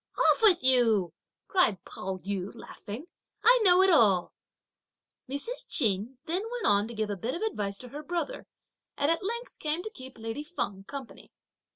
"Off with you!" cried Pao yü laughing; "I know it all." Mrs. Ch'in then went on to give a bit of advice to her brother, and at length came to keep lady Feng company.